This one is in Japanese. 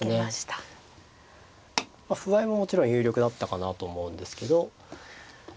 歩合いももちろん有力だったかなと思うんですけど。